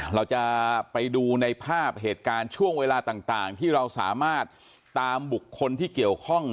เราจะไปดูในภาพเหตุการณ์ช่วงเวลาต่างที่เราสามารถตามบุคคลที่เกี่ยวข้อง